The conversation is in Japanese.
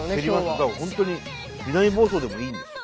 だから本当に南房総でもいいんですよ。